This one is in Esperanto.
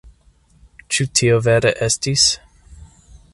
Ĉu tio vere estis?